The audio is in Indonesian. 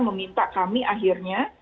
meminta kami akhirnya